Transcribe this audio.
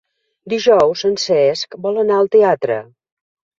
Dijous en Cesc vol anar al teatre.